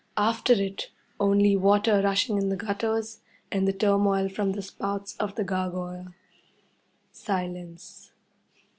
After it, only water rushing in the gutters, and the turmoil from the spout of the gargoyle. Silence.